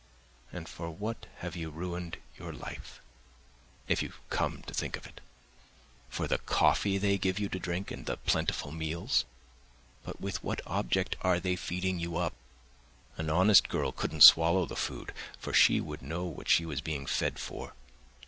And for what have you ruined your life, if you come to think of it? For the coffee they give you to drink and the plentiful meals? But with what object are they feeding you up? An honest girl couldn't swallow the food, for she would know what she was being fed for.